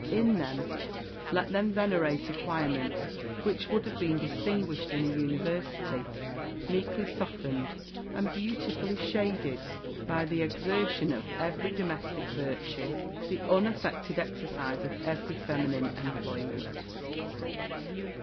In them let them venerate acquirements which would have been distinguished in a university, meekly softened, and beautifully shaded by the exertion of every domestic virtue, the unaffected exercise of every feminine employment."